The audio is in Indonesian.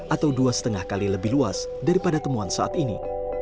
atau dua lima kali lebih luas daripada temuan saat ini